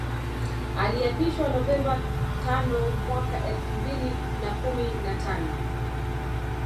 Aliapishwa Novemba tanowaka elfu mbili na kumi na tano